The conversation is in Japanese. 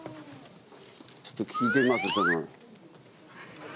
ちょっと聞いてみます？